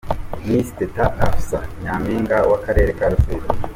Miss Teta Afsa nyampinga w'akarere ka Rusizi.